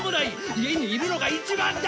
家にいるのが一番だ！！